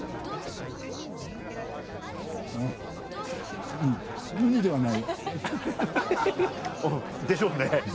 うんうんウニではない。でしょうね。